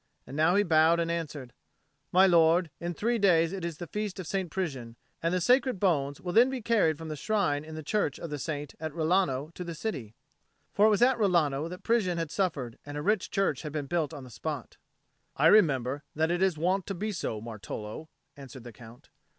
And now he bowed and answered, "My lord, in three days it is the feast of St. Prisian, and the sacred bones will then be carried from the shrine in the church of the saint at Rilano to the city." For it was at Rilano that Prisian had suffered, and a rich church had been built on the spot. "I remember that it is wont to be so, Martolo," answered the Count.